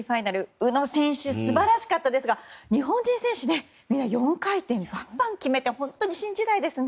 宇野選手、素晴らしかったですが日本人選手はみんな４回転をバンバン決めて新時代ですね。